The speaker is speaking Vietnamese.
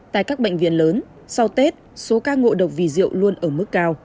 tại các bệnh viện lớn sau tết số ca ngộ độc vì rượu luôn ở mức cao